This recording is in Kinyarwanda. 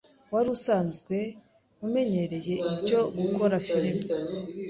Wari usanzwe umenyereye ibyo gukora firime